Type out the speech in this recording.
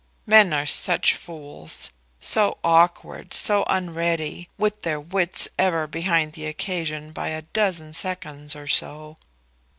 Men are such fools; so awkward, so unready, with their wits ever behind the occasion by a dozen seconds or so!